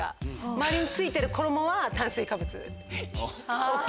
周りに付いてる衣は炭水化物ＯＫ。